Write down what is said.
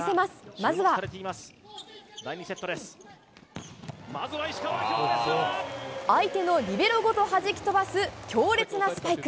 まずは相手のリベロごと弾き飛ばす強烈なスパイク。